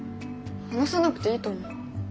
話さなくていいと思う。